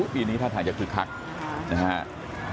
ปีนี้ถ้าถ่ายจะคลึกคลักนะครับ